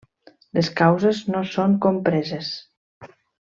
Les causes no són compreses.